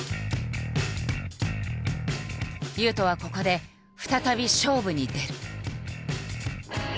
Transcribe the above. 雄斗はここで再び勝負に出る。